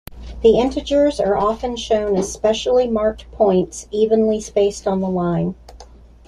The integers are often shown as specially-marked points evenly spaced on the line.